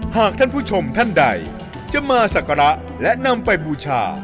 หากท่านผู้ชมท่านใดจะมาสักการะและนำไปบูชา